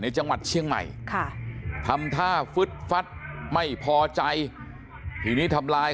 จังหวัดเชียงใหม่ค่ะทำท่าฟึดฟัดไม่พอใจทีนี้ทำลาย